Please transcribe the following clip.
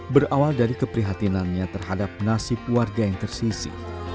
berawal dari keprihatinannya terhadap nasib warga yang tersisi